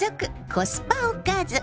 コスパおかず。